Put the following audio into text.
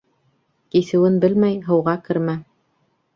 Кисеүен белмәй, һыуға кермә.